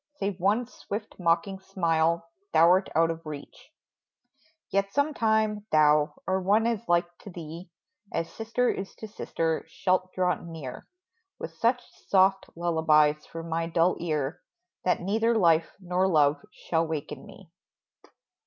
Save one swift, mocking smile thou 'rt out of reach ! Yet, sometime, thou, or one as like to thee As sister is to sister, shalt draw near With such soft lullabies for my dull ear, That neither life nor love shall waken me